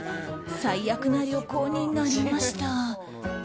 最悪な旅行になりました。